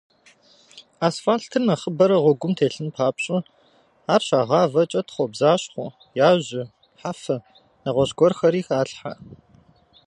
Асфальтыр нэхъыбэрэ гъуэгум телъын папщӏэ, ар щагъавэкӏэ тхъуэбзащхъуэ, яжьэ, хьэфэ, нэгъуэщӏ гуэрхэри халъхьэ.